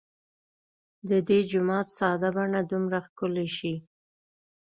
د دې جومات ساده بڼه دومره ښکلې شي.